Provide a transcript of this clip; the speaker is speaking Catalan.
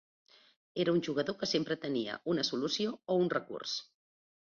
Era un jugador que sempre tenia una solució o un recurs.